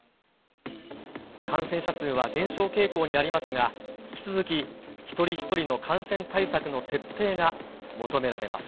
感染者数は減少傾向にありますが、引き続き一人一人の感染対策の徹底が求められます。